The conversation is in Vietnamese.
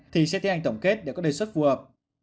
thì sẽ thi hành tổng kết để có đề xuất phù hợp